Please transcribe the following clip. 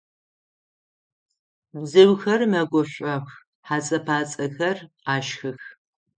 Бзыухэр мэгушӏох, хьэцӏэ-пӏацӏэхэр ашхых.